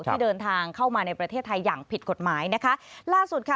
ที่เดินทางเข้ามาในประเทศไทยอย่างผิดกฎหมายนะคะล่าสุดค่ะ